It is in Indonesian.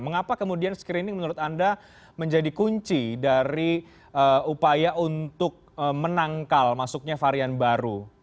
mengapa kemudian screening menurut anda menjadi kunci dari upaya untuk menangkal masuknya varian baru